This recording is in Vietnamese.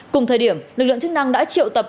cùng thời điểm lực lượng chức năng đã triệu tập